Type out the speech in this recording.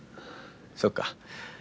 そっか。